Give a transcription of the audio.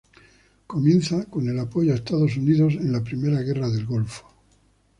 Comienza con el apoyo a Estados Unidos en la Primera Guerra del Golfo.